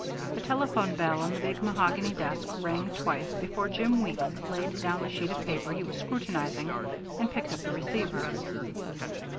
The telephone bell on the big mahogany desk rang twice before Jim Weeks laid down the sheet of paper he was scrutinizing and picked up the receiver.